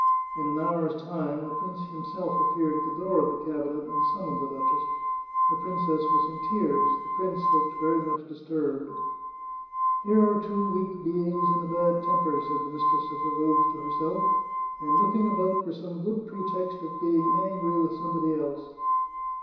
In an hour's time, the prince himself appeared at the door of the cabinet, and summoned the duchess. The princess was in tears, the prince looked very much dis turbed. " Here are two weak beings in a bad temper," said the mistress of the robes to herself, " and looking about for some good pretext for being angry with somebody else."